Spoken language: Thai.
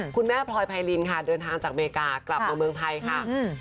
คุณแม่พรอยไพรินค่ะเดินทางจากอเมริกาไปเมืองไทยค่ะ